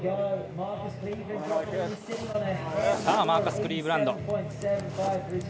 マーカス・クリーブランド。